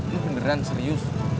lo beneran serius